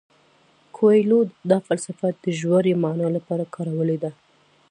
کویلیو دا فلسفه د ژورې مانا لپاره کارولې ده.